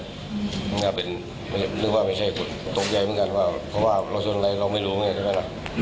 เราชนอะไรเรามันไม่รู้เนี่ยนั่นนะ